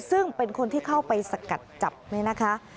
ซึ่งเป็นคนที่เข้าไปสกัดจับเนี่ยนะคะ